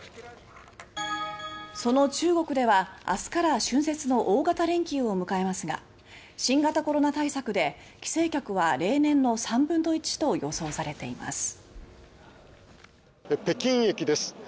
その中国では明日から春節の大型連休を迎えますが新型コロナ対策で帰省客は例年の３分の１と予想されています。